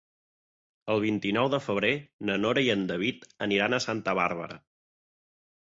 El vint-i-nou de febrer na Nora i en David aniran a Santa Bàrbara.